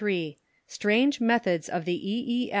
STRANGE METHODS OF THE E.